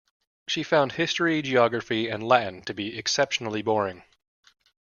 She found history, geography and Latin to be exceptionally boring.